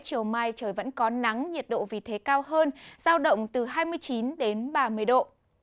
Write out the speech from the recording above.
chiều mai trời vẫn có nắng nhiệt độ vì thế cao hơn giao động từ hai mươi chín đến ba mươi độ